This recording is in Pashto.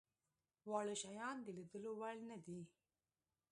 واړه شيان د ليدلو وړ نه دي.